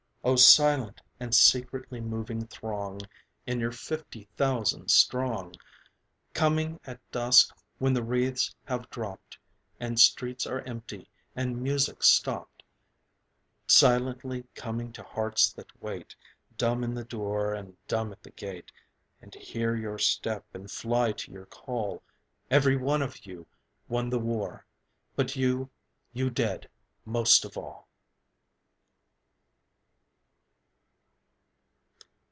O silent and secretly moving throng, In your fifty thousand strong, Coming at dusk when the wreaths have dropt, And streets are empty, and music stopt, Silently coming to hearts that wait Dumb in the door and dumb at the gate, And hear your step and fly to your call Every one of you won the war, But you, you Dead, most of all!